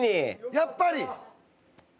やっぱり！